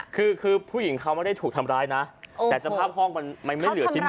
คือคือผู้หญิงเขาไม่ได้ถูกทำร้ายนะแต่สภาพห้องมันไม่เหลือชิ้น